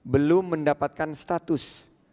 belum mendapatkan status